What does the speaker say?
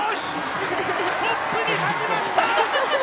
トップに立ちました！